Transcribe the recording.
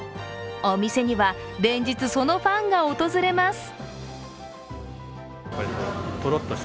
お店には連日、そのファンが訪れます。